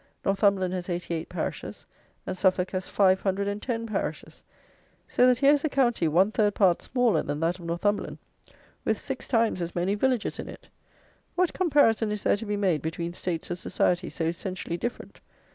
Northumberland has eighty eight parishes; and Suffolk has five hundred and ten parishes. So that here is a county one third part smaller than that of Northumberland with six times as many villages in it! What comparison is there to be made between states of society so essentially different?